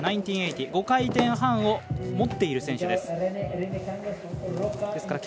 ５回転半を持っている選手です。